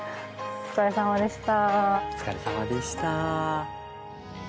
お疲れさまでした。